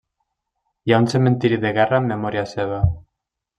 Hi ha un cementiri de guerra en memòria seva.